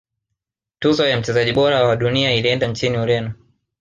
tuzo ya mchezaji bora wa dunia ilienda nchini ureno